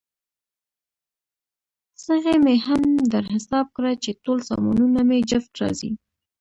څغۍ مې هم در حساب کړه، چې ټول سامانونه مې جفت راځي.